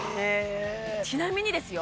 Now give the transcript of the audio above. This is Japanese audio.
ちなみにですよ